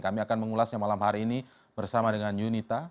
kami akan mengulasnya malam hari ini bersama dengan yunita